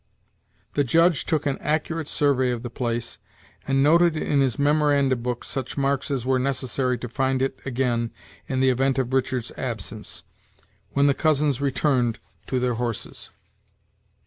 The Judge took an accurate survey of the place, and noted in his memorandum book such marks as were necessary to find it again in the event of Richard's absence; when the cousins returned to their horses.